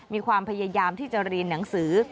มีความพยายามที่จะเรียนหนังสือ